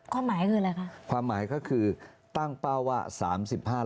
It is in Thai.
ความหมายคืออะไรคะความหมายก็คือตั้งเป้าว่าสามสิบห้า